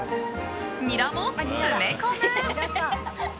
ニラも詰め込む！